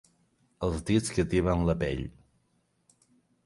Els dits que tiben la pell.